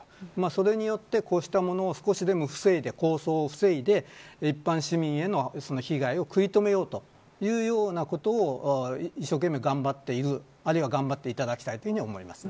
それによってこうしたものを少しでも防いで抗争を防いで一般市民への被害を食い止めようというようなことを一生懸命頑張っているあるいは、頑張っていただきたいと思います。